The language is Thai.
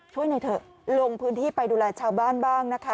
หน่อยเถอะลงพื้นที่ไปดูแลชาวบ้านบ้างนะคะ